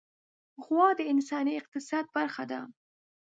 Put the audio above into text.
غوا د انساني اقتصاد برخه ده.